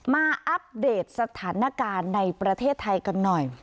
อัปเดตสถานการณ์ในประเทศไทยกันหน่อย